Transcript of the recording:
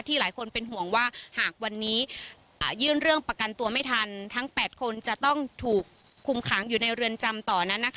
หลายคนเป็นห่วงว่าหากวันนี้ยื่นเรื่องประกันตัวไม่ทันทั้ง๘คนจะต้องถูกคุมขังอยู่ในเรือนจำต่อนั้น